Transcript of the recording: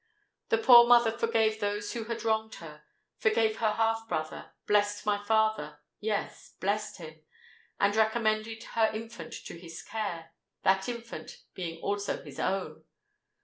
The poor mother forgave those who had wronged her,—forgave her half brother—blessed my father—yes, blessed him—and recommended her infant to his care—that infant being also his own!